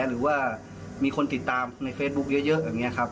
หรือว่ามีคนติดตามในเฟซบุ๊คเยอะแบบนี้ครับ